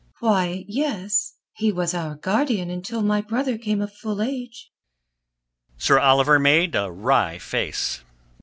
"Why, yes. He was our guardian until my brother came of full age." Sir Oliver made a wry face.